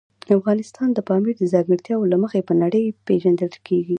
افغانستان د پامیر د ځانګړتیاوو له مخې په نړۍ پېژندل کېږي.